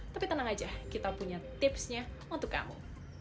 tapi tenang aja kita punya tipsnya untuk kamu